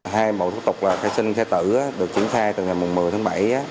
hai bộ thủ tục là khai sinh khai tử được triển khai từ ngày một mươi tháng bảy